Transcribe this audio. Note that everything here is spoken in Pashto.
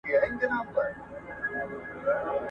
کله چې ښځې مالي خپلواکي ولري، کورنۍ له اقتصادي فشار خوندي وي.